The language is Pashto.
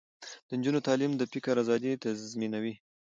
د نجونو تعلیم د فکر ازادي تضمینوي.